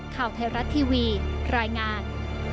ข่าวไทยรัฐทีวีรายงาน